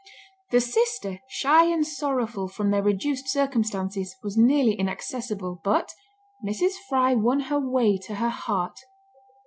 The sister, shy and sorrowful from their reduced circumstances, was nearly inaccessible, but Mrs. Fry won her way to her heart.